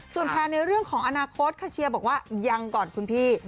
ส่วนแพลนในเรื่องของอนาคตค่ะเชียร์บอกว่ายังก่อนคุณพี่